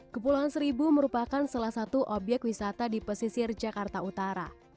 kepulauan seribu merupakan salah satu obyek wisata di pesisir jakarta utara